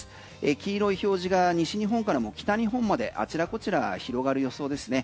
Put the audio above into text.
黄色い表示が西日本から北日本まであちらこちら広がる予想ですね。